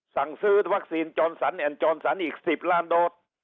สั่งซื้อวัคซีนจอมสรรแอ่นจอมสันอีก๑๐ล้านโดส